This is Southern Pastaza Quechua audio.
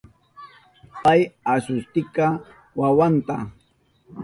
Pay asutishka wawanta.